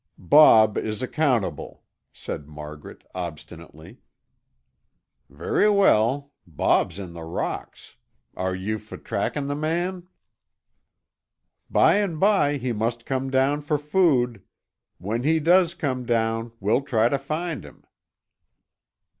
"Bob is accountable," said Margaret obstinately. "Verra weel. Bob's in the rocks. Are ye for tracking the man?" "By and by he must come down for food. When he does come down we'll try to find him."